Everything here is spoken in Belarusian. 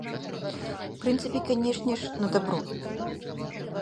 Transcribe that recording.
У прынцыпе, канечне ж, на дабро.